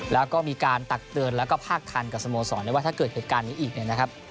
แล้วก็มีการตักเตือนแล้วก็ภาคทันกับสโมสรได้ว่าถ้าเกิดเหตุการณ์นี้อีกเนี่ยนะครับ